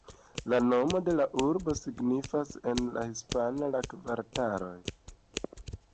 La nomo de la urbo signifas en la hispana "La kvartaloj".